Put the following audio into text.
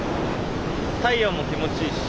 太陽も気持ちいいし。